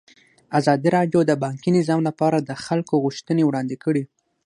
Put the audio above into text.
ازادي راډیو د بانکي نظام لپاره د خلکو غوښتنې وړاندې کړي.